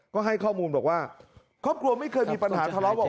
ก็ให้ข้อมูลบอกว่าครอบครัวไม่เคยมีปัญหาทะเลาะบอก